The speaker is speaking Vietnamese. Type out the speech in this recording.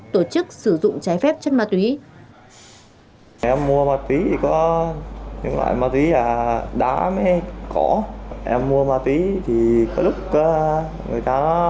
tổ chức sử dụng trái phép chất ma túy